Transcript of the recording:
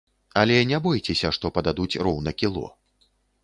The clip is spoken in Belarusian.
Але не бойцеся, што пададуць роўна кіло.